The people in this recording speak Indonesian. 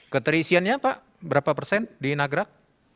keterisiannya pak berapa persen di nagrak